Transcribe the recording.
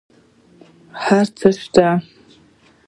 هر څه شته